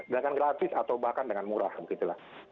dengan gratis atau bahkan dengan murah begitulah